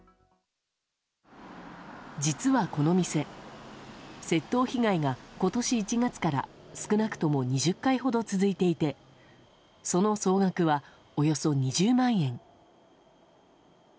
実は、この店窃盗被害が今年１月から少なくとも２０回ほど続いていてその総額はおよそ２０万円。